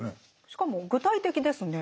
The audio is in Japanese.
しかも具体的ですね。